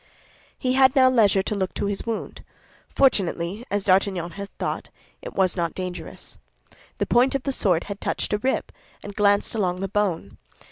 He had now leisure to look to his wound. Fortunately, as D'Artagnan had thought, it was not dangerous. The point of the sword had touched a rib, and glanced along the bone.